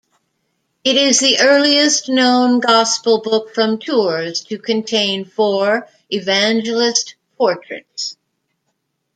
It is the earliest known Gospel Book from Tours to contain four Evangelist portraits.